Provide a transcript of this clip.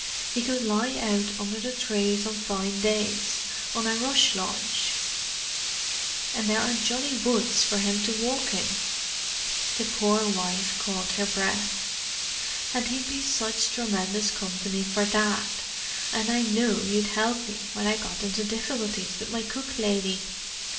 He could lie out under the trees on fine days on a rush lounge; and there are jolly woods for him to walk in." The poor wife caught her breath. "And he'd be such tremendous company for Dad, and I know you'd help me when I got into difficulties with my cook lady.